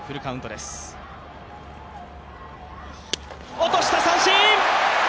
落とした、三振！